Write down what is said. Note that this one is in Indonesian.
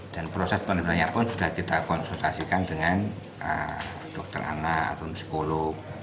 dan proses penerbitannya pun sudah kita konsultasikan dengan dokter anak atau psikolog